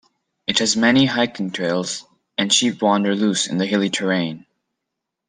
It has many hiking trails, and sheep wander loose in the hilly terrain.